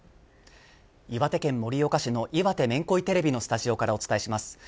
岩手県盛岡市の岩手めんこいテレビのスタジオからお伝えします。